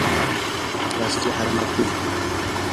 raslla armakuy.